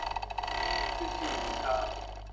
ขึ้นชื่อลือชา